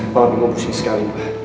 apalagi mau pusing sekali